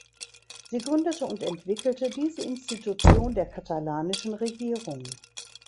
Sie gründete und entwickelte diese Institution der katalanischen Regierung.